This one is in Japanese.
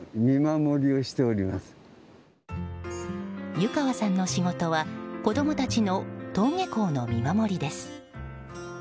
湯川さんの仕事は子供たちの登下校の見守りです。